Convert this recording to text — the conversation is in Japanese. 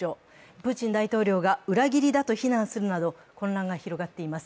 プーチン大統領が裏切りだと非難するなど混乱が広がっています。